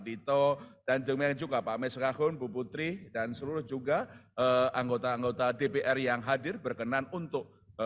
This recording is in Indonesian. dito dan jong yang juga pak miskaun bu putri dan seluruh juga anggota anggota dpr yang hadir berkenan untuk